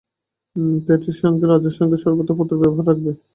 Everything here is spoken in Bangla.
খেতড়ির রাজার সঙ্গে সর্বদা পত্রব্যবহার রাখবে।